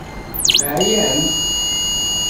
Teɛyamt?